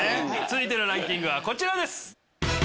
続いてのランキングはこちらです。